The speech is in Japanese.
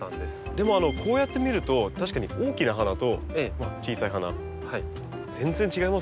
でもこうやって見ると確かに大きな花と小さい花全然違いますね。